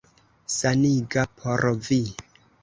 Saniga por vi.